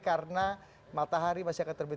karena matahari masih akan terbit